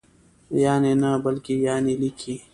یعني نه بلکې یانې لیکئ!